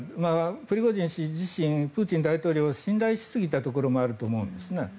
プリゴジン氏自身プーチン大統領を信頼しすぎたところもあると思うんですね。